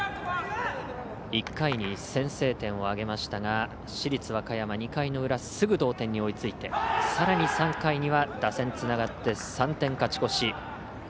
１回に先制点を挙げましたが市立和歌山２回の裏すぐ同点に追いついてさらに３回には打線つながって３点勝ち越し。